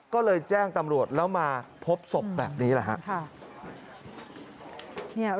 ก็เลยแจ้งตำรวจแล้วมาพบศพแบบนี้แหละครับ